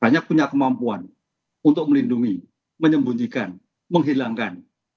banyak punya kemampuan untuk melindungi menyembunyikan menghilangkan